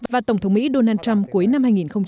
và tổng thống mỹ donald trump cuối năm hai nghìn một mươi chín